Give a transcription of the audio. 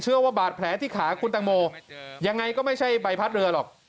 ว่าบาดแผลที่ขาคุณตังโมยังไงก็ไม่ใช่ใบพัดเรือหรอก